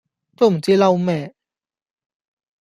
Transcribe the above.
都唔知嬲咩